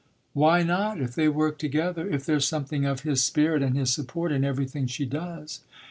"Why not if they work together if there's something of his spirit and his support in everything she does?"